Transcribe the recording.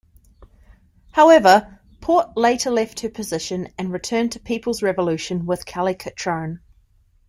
However, Port later left her position and returned to People's Revolution with Kelly Cutrone.